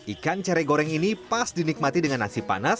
ikan cere goreng ini pas dinikmati dengan air tawar